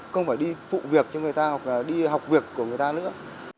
không phải đi phụ việc cho người ta hoặc đi học việc của người ta nữa